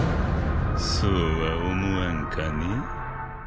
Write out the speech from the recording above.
そうは思わんかね？